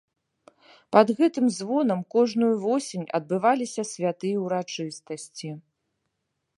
Пад гэтым звонам кожную восень адбываліся святыя ўрачыстасці.